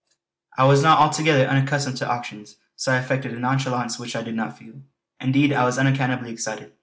I was not altogether unaccustomed to auctions, so I affected a nonchalance which I did not feel. Indeed, I was unaccountably excited.